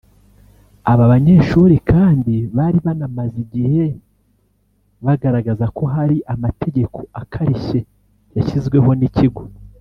Aba banyeshuri kandi bari banamaze igihe bagaragaza ko hari amategeko akarishye yashyizweho n’ikigo